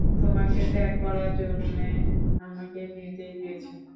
তোমাকে ত্যাগ করার জন্যে আমাকে নির্দেশ দিয়েছেন।